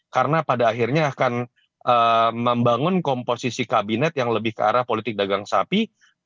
karena pada akhirnya akan membangun komposisi kabinet yang lebih ke arah politik dagang sapi